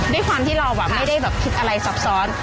ด้วยความที่เราไม่ได้แบบคิดอะไรซับซ้อน